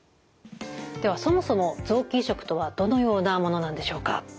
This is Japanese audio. ではそもそも臓器移植とはどのようなものなんでしょうか。